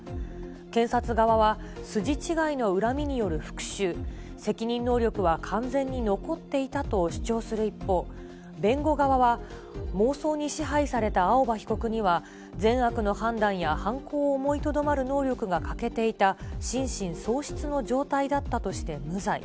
検察側は筋違いの恨みによる復しゅう、責任能力は完全に残っていたと主張する一方、弁護側は、妄想に支配された青葉被告には、善悪の判断や犯行を思いとどまる能力が欠けていた心神喪失の状態だったとして無罪。